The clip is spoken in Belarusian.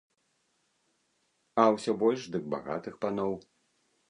А ўсё больш дык багатых паноў.